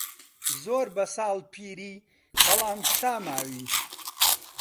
زۆر بە ساڵ پیری بەڵام چا ماوی